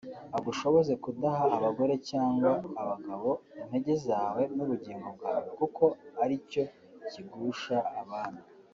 agushoboze kudaha abagore cyangwa abagabo intege zawe n’ubugingo bwawe kuko ari cyo kigusha abami